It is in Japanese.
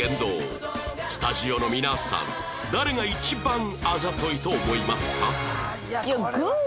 スタジオの皆さん誰が一番あざといと思いますか？